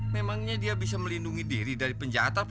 memangnya dia bisa melindungi diri dari penjahat